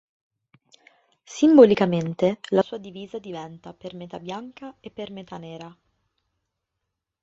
Simbolicamente la sua divisa diventa per metà bianca e per metà nera.